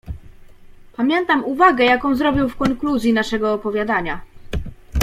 "Pamiętam uwagę, jaką zrobił w konkluzji naszego opowiadania."